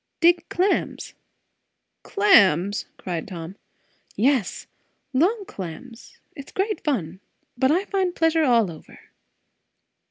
"Dig clams." "Clams!" cried Tom. "Yes. Long clams. It's great fun. But I find pleasure all over."